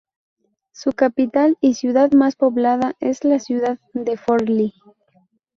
Su capital, y ciudad más poblada, es la ciudad de Forlì.